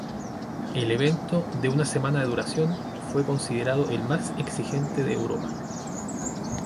El evento, de una semana de duración, fue considerado el más exigente de Europa.